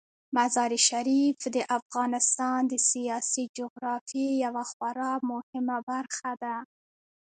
مزارشریف د افغانستان د سیاسي جغرافیې یوه خورا مهمه برخه ده.